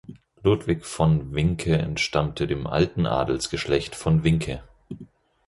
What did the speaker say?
Ludwig von Vincke entstammte dem alten Adelsgeschlecht von Vincke.